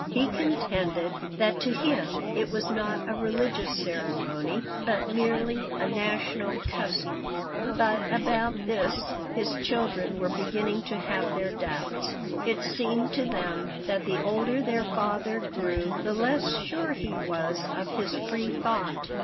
He contended that to him it was not a religious ceremony, but merely a "national custom," but about this his children were beginning to have their doubts. It seemed to them that the older their father grew the less sure he was of his free thought.